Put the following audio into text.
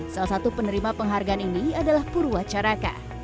salah satu penerima penghargaan ini adalah purwacaraka